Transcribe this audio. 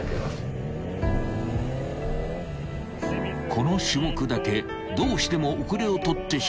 ［この種目だけどうしても後れを取ってしまう大塚］